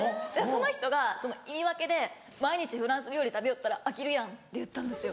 その人がその言い訳で「毎日フランス料理食べよったら飽きるやん」って言ったんですよ。